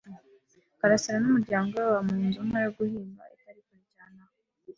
karasira n'umuryango we baba mu nzu nto yo guhinga itari kure cyane aha.